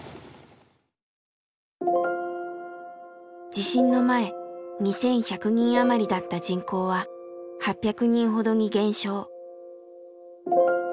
地震の前２，１００人余りだった人口は８００人ほどに減少。